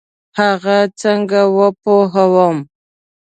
هغه څنګه وپوهوم؟